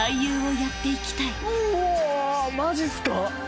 マジっすか！